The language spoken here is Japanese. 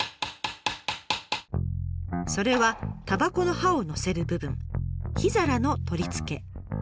それはたばこの葉をのせる部分「火皿」の取り付け。